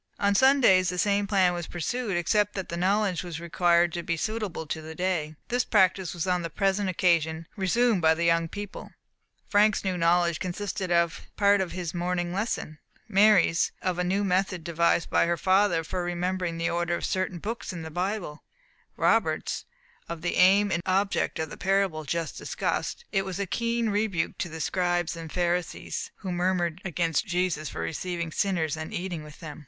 On Sundays the same plan was pursued, except that the knowledge was required to be suitable to the day. This practice was on the present occasion resumed by the young people. Frank's new knowledge consisted of part of his morning lesson; Mary's, of a new method devised by her for remembering the order of certain books in the Bible; Robert's, of the aim and object of the parable just discussed: it was a keen rebuke to the Scribes and Pharisees, who murmured against Jesus for receiving sinners and eating with them.